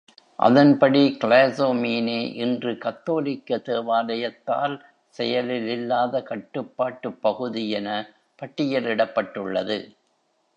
அதன்படி, Clazomenae இன்று கத்தோலிக்க தேவாலயத்தால் செயலில் இல்லாத கட்டுப்பாட்டுப் பகுதி என பட்டியலிடப்பட்டுள்ளது.